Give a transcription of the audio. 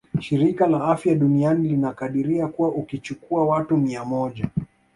Shirika la afya duniani linakadiria kuwa ukichukua watu mia moja